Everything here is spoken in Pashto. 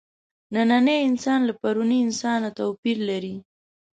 نننی انسان له پروني انسانه توپیر لري.